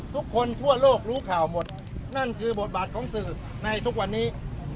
ทุกคนทั่วโลกรู้ข่าวหมดนั่นคือบทบาทของสื่อในทุกวันนี้